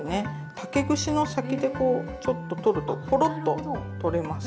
竹串の先でこうちょっと取るとポロッと取れます。